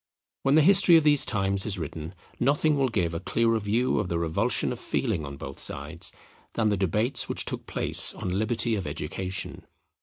When the history of these times is written, nothing will give a clearer view of the revulsion of feeling on both sides, than the debates which took place on Liberty of Education.